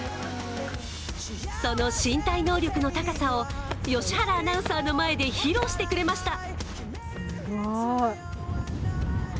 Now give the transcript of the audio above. その身体能力の高さを良原アナウンサーの前で披露してくれました。